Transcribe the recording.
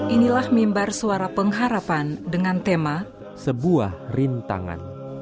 inilah mimbar suara pengharapan dengan tema sebuah rintangan